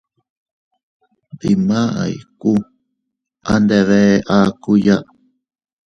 Dimay kuu a ndebe akuya.